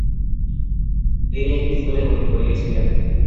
তিনি একটি স্কুলে গণিত পড়িয়েছিলেন।